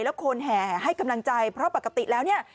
แล้วคนแห่ให้กำลังใจเพราะปกติแล้วเนี่ย